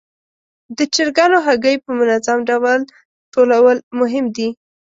د چرګانو هګۍ په منظم ډول ټولول مهم دي.